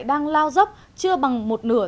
đang lao dốc chưa bằng một nửa